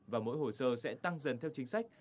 và mỗi hồ sơ sẽ tăng dần theo chính sách